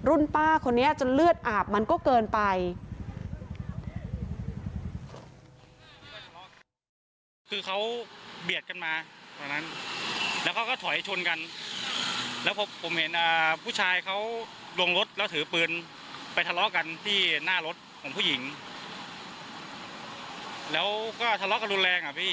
แล้วก็ทะเลาะรุนแรงอ่ะพี่